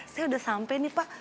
saya udah sampai nih pak